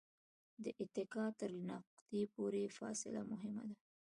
د اتکا تر نقطې پورې فاصله مهمه ده.